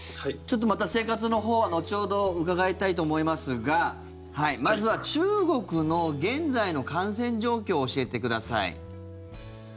ちょっとまた生活のほうは後ほど伺いたいと思いますがまずは中国の現在の感染状況を教えてください。